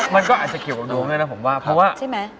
มันก็อาจจะเกี่ยวกับดวงด้วยนะผมว่า